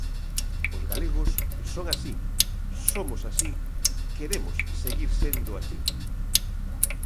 Os galegos son así, somos así, queremos seguir sendo así.